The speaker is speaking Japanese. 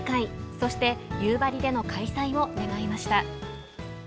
そして、夕張での開催を願いました。